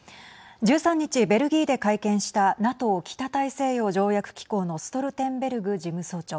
１３日、ベルギーで会見したＮＡＴＯ＝北大西洋条約機構のストルテンベルグ事務総長